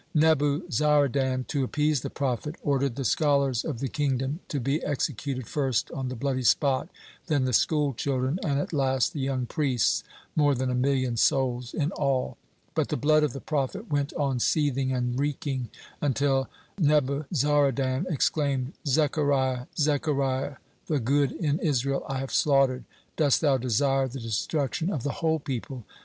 Nebuzaradan, to appease the prophet, ordered the scholars of the kingdom to be executed first on the bloody spot, then the school children, and at last the young priests, more than a million souls in all. But the blood of the prophet went on seething and reeking, until Nebuzaradan exclaimed: "Zechariah, Zechariah, the good in Israel I have slaughtered. Dost thou desire the destruction of the whole people?"